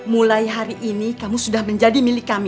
mulai hari ini kamu sudah menjadi milik kami